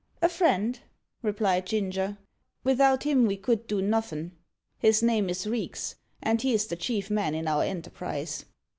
"A friend," replied Ginger. "Vithout him ve could do nuffin'. His name is Reeks, and he is the chief man in our enterprise."